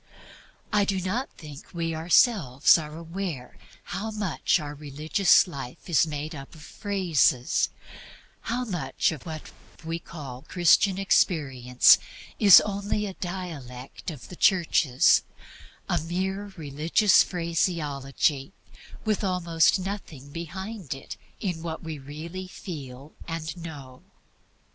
I do not think we ourselves are aware how much our religious life is MADE UP OF PHRASES; how much of what we call Christian Experience is only a dialect of the Churches, a mere religious phraseology with almost nothing behind it in what we really feel and know.